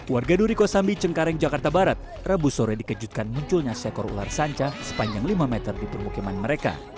warga duriko sambi cengkareng jakarta barat rabu sore dikejutkan munculnya seekor ular sanca sepanjang lima meter di permukiman mereka